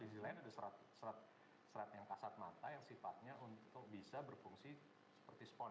di sisi lain ada serat yang kasat mata yang sifatnya untuk bisa berfungsi seperti spon